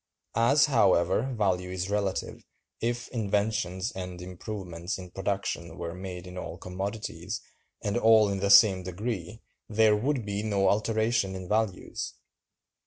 As, however, value is relative, if inventions and improvements in production were made in all commodities, and all in the same degree, there would be no alteration in values.